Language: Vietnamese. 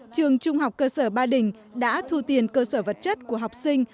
trường trung học cơ sở ba đình đã thu tiền cơ sở vật chất của học sinh